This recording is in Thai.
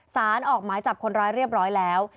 สารออกหมายจับคนร้ายเรียบร้อยแล้ว